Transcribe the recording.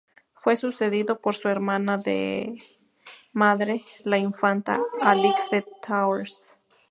Fue sucedido por su hermana de madre, la infanta Alix de Thouars.